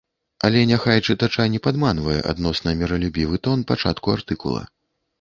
Але няхай чытача не падманвае адносна міралюбівы тон пачатку артыкула.